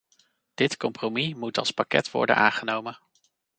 Dit compromis moet als pakket worden aangenomen.